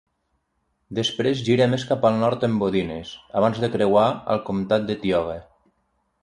Després gira més cap al nord en Bodines, abans de creuar al comtat de Tioga.